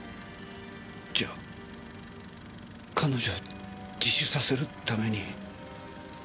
じゃ彼女を自首させるために。